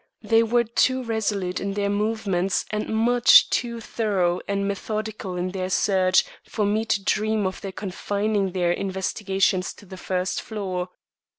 They were too resolute in their movements and much too thorough and methodical in their search, for me to dream of their confining their investigations to the first floor.